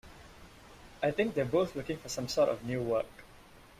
I think they're both looking for some sort of new work.